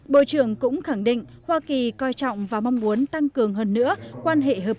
bộ trưởng cũng khẳng định hoa kỳ coi trọng và mong muốn tăng cường hơn nữa quan hệ hợp